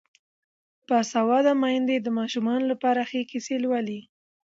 باسواده میندې د ماشومانو لپاره ښې کیسې لولي.